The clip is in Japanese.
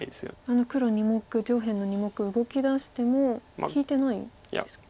あの黒２目上辺の２目動きだしても利いてないんですか。